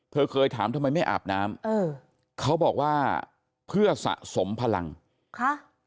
เคยถามทำไมไม่อาบน้ำเออเขาบอกว่าเพื่อสะสมพลังค่ะ